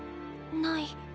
ない。